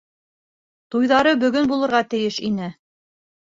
Туйҙары бөгөн булырға тейеш ине.